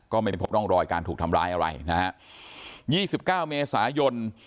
ก็ไม่ได้พบร่องรอยการถูกทำร้ายอะไรนะฮะยี่สิบเก้าเมษายน